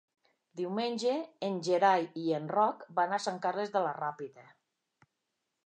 Diumenge en Gerai i en Roc van a Sant Carles de la Ràpita.